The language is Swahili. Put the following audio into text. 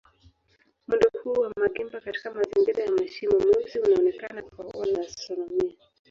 Mwendo huu wa magimba katika mazingira ya mashimo meusi unaonekana kwa wanaastronomia.